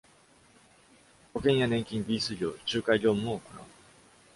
保険や年金、リース業、仲介業務も行う。